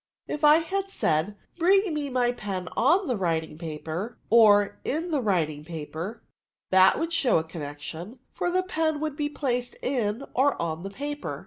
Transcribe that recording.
If I had said, ' Bring me a pen on the writing paper, or in the writing paper,* that would show a connection, for the pen was to be placed in or on the paper."